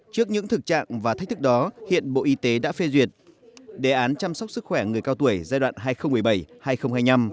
trước những thực trạng và thách thức đó hiện bộ y tế đã phê duyệt đề án chăm sóc sức khỏe người cao tuổi giai đoạn hai nghìn một mươi bảy hai nghìn hai mươi năm